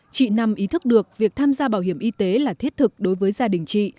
chị năm ý thức được việc tham gia bảo hiểm y tế là thiết thực đối với gia đình chị